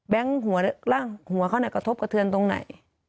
แบงค์หัวล่างหัวเข้าหนักกระทบกระเทือนตรงไหน